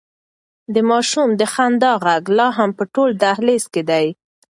د ماشوم د خندا غږ لا هم په ټول دهلېز کې دی.